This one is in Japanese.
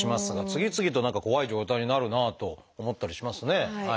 次々と何か怖い状態になるなあと思ったりしますね。